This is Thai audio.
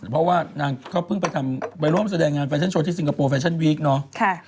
เพราะว่านางก็เพิ่งไปทำไปร่วมแสดงงานแฟชั่นโชว์ที่ซิงคโปร์แฟชั่นวีคเนาะ